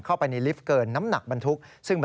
เข้าไปในลิฟต์เกินน้ำหนักบรรทุก